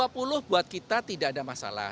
rp dua puluh buat kita tidak ada masalah